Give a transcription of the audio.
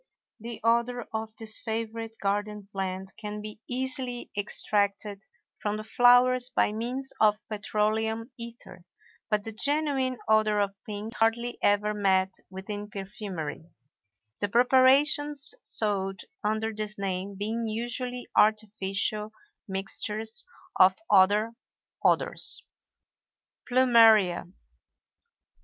The odor of this favorite garden plant can be easily extracted from the flowers by means of petroleum ether; but the genuine odor of pink is hardly ever met with in perfumery; the preparations sold under this name being usually artificial mixtures of other odors. PLUMERIA.